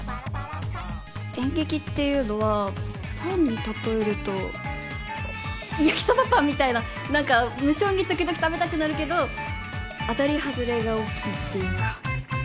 演劇っていうのはパンにたとえると焼きそばパンみたいななんか無性に時々食べたくなるけど当たり外れが大きいっていうか。